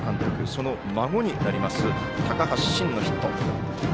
その孫になります高橋慎のヒットでした。